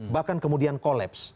bahkan kemudian kolaps